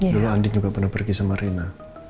dulu andin juga pernah pergi sama rina